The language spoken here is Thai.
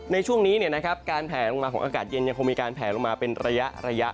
ในช่วงนี้การแผลลงมาของอากาศเย็นยังคงมีการแผลลงมาเป็นระยะ